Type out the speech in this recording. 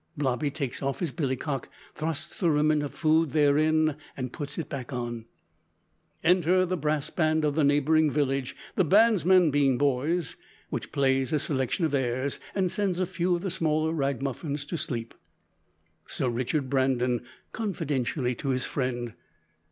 (Blobby takes off his billycock, thrusts the remnant of food therein, and puts it on.) Enter the brass band of the neighbouring village, (the bandsmen being boys), which plays a selection of airs, and sends a few of the smaller ragamuffins to sleep. (Sir Richard Brandon, confidentially to his friend.)